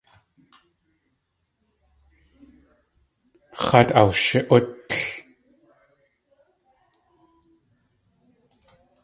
X̲áat awshi.útl.